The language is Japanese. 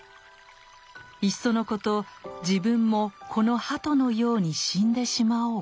いっそのこと自分もこの鳩のように死んでしまおうか。